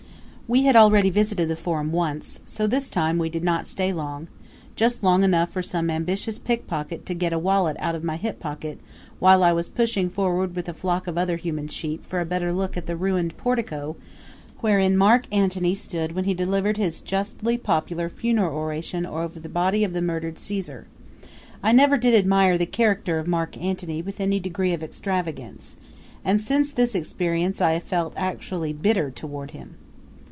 We had already visited the Forum once; so this time we did not stay long; just long enough for some ambitious pickpocket to get a wallet out of my hip pocket while I was pushing forward with a flock of other human sheep for a better look at the ruined portico wherein Mark Antony stood when he delivered his justly popular funeral oration over the body of the murdered Caesar. I never did admire the character of Mark Antony with any degree of extravagance, and since this experience I have felt actually bitter toward him.